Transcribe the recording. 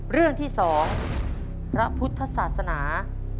เรื่องที่๒พระพุทธศาสนา